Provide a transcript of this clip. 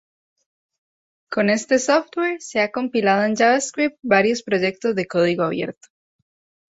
Con este software, se ha compilado en Javascript varios proyectos de código abierto.